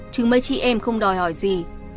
chứ mấy chị em không đòi hỏi gì